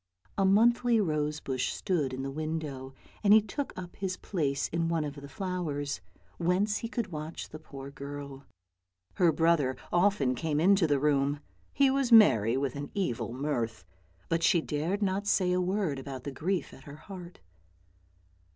A monthly rose bush stood in the window, and he took up his place in one of the flowers, whence he could watch the poor girl. Her brother often came into the room. He was merry with an evil mirth, but she dared not say a word about the grief at her heart.